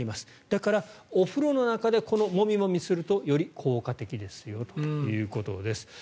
だから、お風呂の中でもみもみするとより効果的ですよということです。